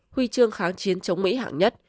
huy chương kháng chiến chống mỹ hạng nhất